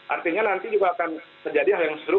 artinya nanti juga akan terjadi hal yang seru